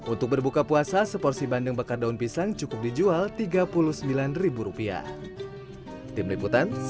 untuk berbuka puasa seporsi bandeng bakar daun pisang cukup dijual tiga puluh sembilan rupiah